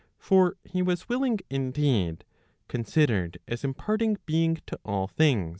For he was willing indeed, considered as imparting being to all things.